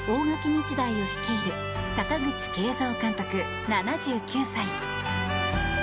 日大を率いる阪口慶三監督、７９歳。